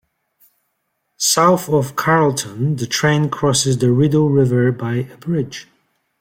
South of Carleton, the train crosses the Rideau River by a bridge.